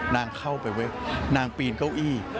นางเข้าไปเว้ยนางปีนเก้าอี้